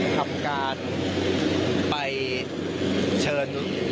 ทำการไปเชิญ